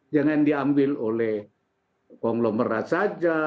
jangan diambil oleh pengelola merat saja